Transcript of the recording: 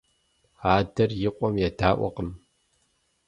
Адэр и къуэм едэӏуакъым.